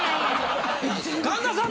神田さん